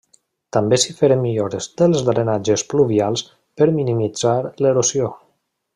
També s'hi feren millores dels drenatges pluvials per minimitzar l'erosió.